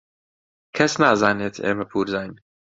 کەس نازانێت ئێمە پوورزاین.